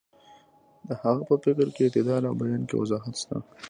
د هغه په فکر کې اعتدال او په بیان کې وضاحت شته.